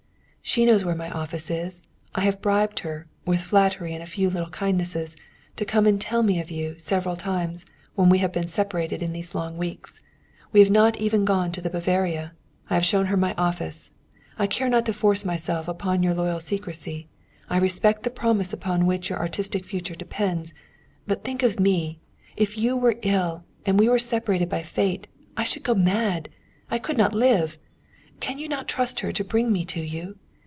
"She knows where my office is. I have bribed her, with flattery and a few little kindnesses, to come and tell me of you, several times, when we have been separated in these long weeks. We have not even gone to the 'Bavaria'; I have shown her my office. I care not to force myself upon your loyal secrecy. I respect the promise upon which your artistic future depends; but think of me. If you were ill, and we were separated by Fate, I should go mad! I could not live! Can you not trust her to bring me to you?"